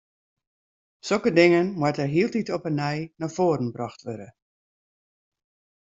Sokke dingen moatte hieltyd op 'e nij nei foaren brocht wurde.